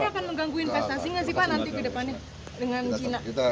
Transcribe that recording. pak ini akan mengganggu investasi gak sih pak nanti kedepannya dengan cina